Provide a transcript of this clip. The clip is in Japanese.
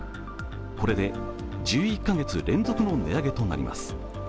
これで１１カ月連続の値上げとなります。